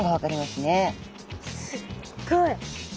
すっごい！